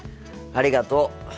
ありがとう。